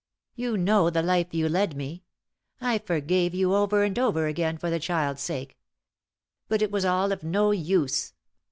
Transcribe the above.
You know the life you led me. I forgave you over and over again for the child's sake. But it was all of no use.